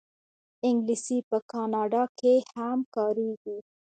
انګلیسي په کاناډا کې هم کارېږي